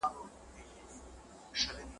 کور په کور کلي په کلي بوري وراري دي چي ګرزي ,